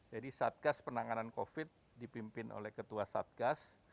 jadi satgas penanganan covid dipimpin oleh ketua satgas